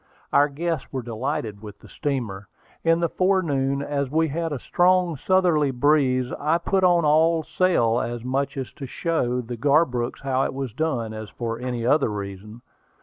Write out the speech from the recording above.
Our guests were delighted with the steamer. In the forenoon, as we had a strong southerly breeze, I put on all sail, as much to show the Garbrooks how it was done, as for any other reason.